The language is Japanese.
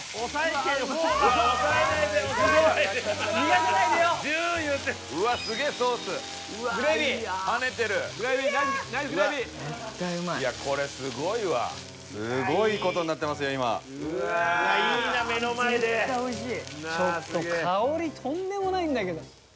ちょっと香りとんでもないんだけど。